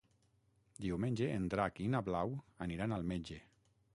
Diumenge en Drac i na Blau aniran al metge.